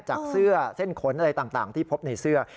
จากเสื้อเส้นขนอะไรต่างที่พบในเสื้อ